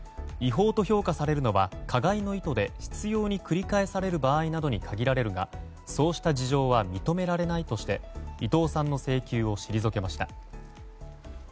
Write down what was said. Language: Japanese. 違法と評価されるのは加害の意図で執拗に繰り返される場合などに限られるがそうした事情は認められないとして伊藤さんの請求を退けました。